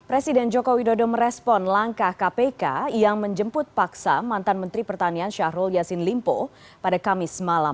presiden joko widodo merespon langkah kpk yang menjemput paksa mantan menteri pertanian syahrul yassin limpo pada kamis malam